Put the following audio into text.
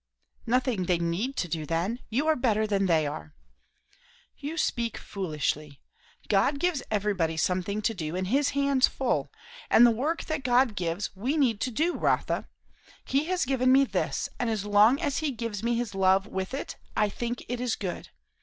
"Nothing they need do, then. You are better than they are." "You speak foolishly. God gives everybody something to do, and his hands full; and the work that God gives we need to do, Rotha. He has given me this; and as long as he gives me his love with it, I think it is good.